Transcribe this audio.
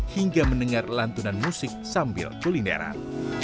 hingga mendengar lantunan musik sambil kulineran